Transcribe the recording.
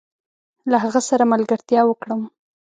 له هغه سره ملګرتيا وکړم؟